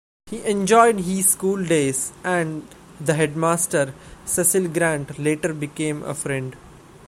He enjoyed his schooldays, and the Headmaster, Cecil Grant, later became a friend.